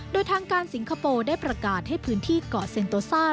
โดยทางการสิงคโปร์ได้ประกาศให้พื้นที่เกาะเซ็นโตซ่า